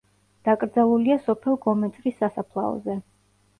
დაკრძალულია სოფელ გომეწრის სასაფლაოზე.